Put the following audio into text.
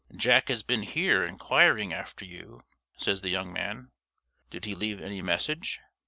"Jack has been here inquiring after you," says the young man. "Did he leave any message?"